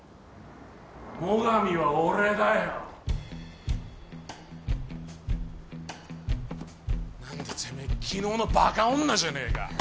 ・最上は俺だよ。何だてめえ昨日のバカ女じゃねえか。